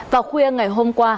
vào khuya ngày hôm qua